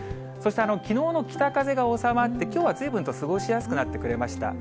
そして、きのうの北風が収まって、きょうはずいぶんと過ごしやすくなってくれました。